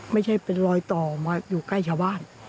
ไม่ใช่เป็นรอยต่อมาอยู่ใกล้ชาวบ้าน